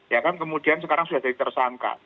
ya kan kemudian sekarang sudah jadi tersangka